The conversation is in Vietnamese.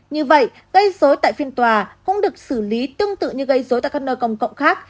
như vậy gây dối tại phiên tòa cũng được xử lý tương tự như gây dối tại các nơi công cộng khác